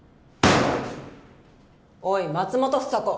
おい松本房子